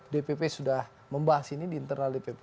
dpp sudah membahas ini di internal dpp